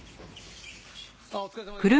あっお疲れさまです。